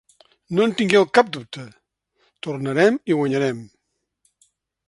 No en tingueu cap dubte, tornarem i guanyarem.